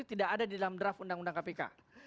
tidak ada di dalam draft undang undang kpk